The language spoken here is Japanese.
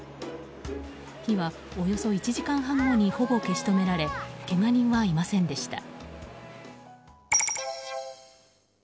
火はおよそ１時間半後にほぼ消し止められけが人はいませんでした。